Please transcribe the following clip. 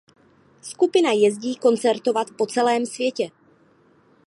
Skupina jezdí koncertovat po celém světě.